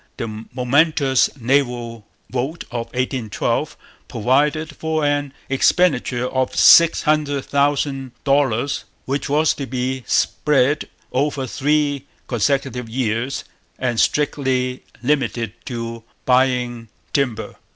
The momentous naval vote of 1812 provided for an expenditure of six hundred thousand dollars, which was to be spread over three consecutive years and strictly limited to buying timber.